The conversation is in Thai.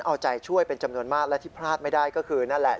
เอาใจช่วยเป็นจำนวนมากและที่พลาดไม่ได้ก็คือนั่นแหละ